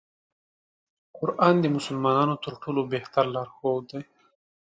قرآن د مسلمانانو تر ټولو بهتر لار ښود دی.